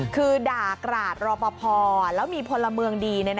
คือด่ากราดรอปภแล้วมีพลเมืองดี